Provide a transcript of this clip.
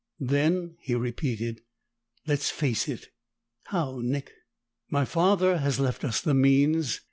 "Then," he repeated, "let's face it!" "How, Nick?" "My father has left us the means.